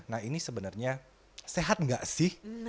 nah ini sebenarnya sehat nggak sih